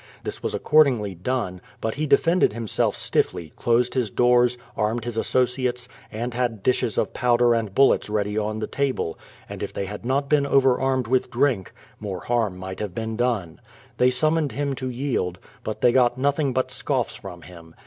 This was accordingly done; but he defended himself stiffly, closed his doors, armed his associates, and had dishes of powder and bullets ready on the table; and if they had not been overarmed with drink, more harm might have been done. They sum moned him to yield, but they got nothing but scoffs from him.